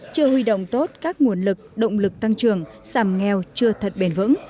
chưa huy động tốt các nguồn lực động lực tăng trưởng sàm nghèo chưa thật bền vững